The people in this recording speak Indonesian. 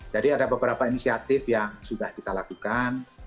jadi ada beberapa inisiatif yang sudah kita lakukan